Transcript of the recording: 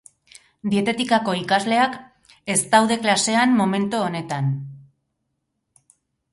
Dietetikako ikasleak ez daude klasean momento honetan